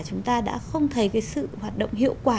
chúng ta đã không thấy cái sự hoạt động hiệu quả